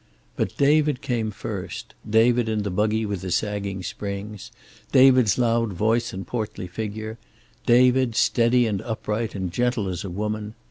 But David came first; David in the buggy with the sagging springs, David's loud voice and portly figure, David, steady and upright and gentle as a woman.